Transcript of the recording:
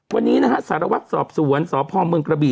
วันนี้นะฮะสารวัตรสอบสวนสพเมืองกระบี่